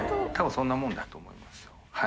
進そんなものだと思いますよ。